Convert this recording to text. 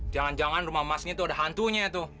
jangan jangan rumah mas ini tuh ada hantunya tuh